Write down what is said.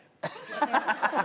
ハハハハ。